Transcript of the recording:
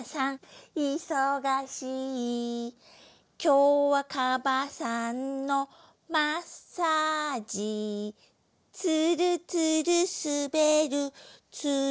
いそがしい」「きょうはカバさんのマッサージ」「つるつるすべる」